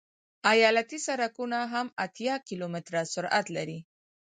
ایالتي سرکونه هم اتیا کیلومتره سرعت لري